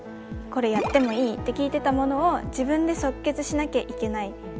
「これやってもいい？」って聞いてたものを自分で即決しなきゃいけない。